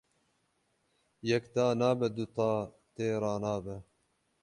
Yek ta nabe du ta tê ranabe.